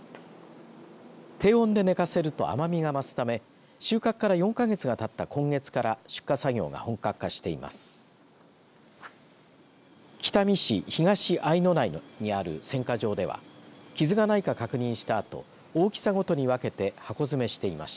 低温で寝かせると甘みが増すため収穫から４か月がたった今月から出荷作業が本格化しています。